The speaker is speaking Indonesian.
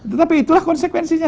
tetapi itulah konsekuensinya